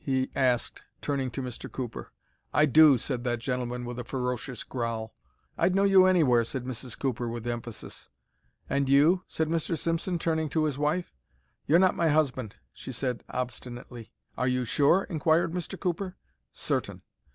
he asked, turning to Mr. Cooper. "I do," said that gentleman, with a ferocious growl. "I'd know you anywhere," said Mrs. Cooper, with emphasis. "And you?" said Mr. Simpson, turning to his wife. "You're not my husband," she said, obstinately. "Are you sure?" inquired Mr. Cooper. "Certain."